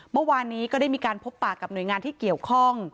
เมื่อวานนี้ก็ได้มีการพบปากกับหน่วยงานที่เกี่ยวข้อง